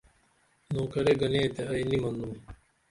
نوکرے گنے تے ائی نی منُم